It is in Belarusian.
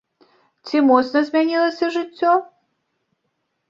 Ці моцна змянілася жыццё?